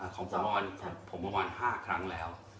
ของสวผมประมาณ๕ครั้งแล้ว